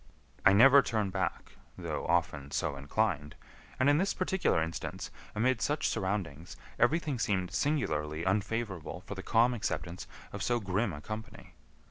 I never turn back, though often so inclined, and in this particular instance, amid such surroundings, everything seemed singularly unfavorable for the calm acceptance of so grim a company.